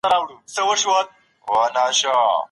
نړيوالي اړیکي د ملي اهدافو په رڼا کي پرمخ ځي.